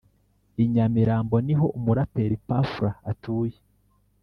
I nyamirambo niho umuraperi p fla atuye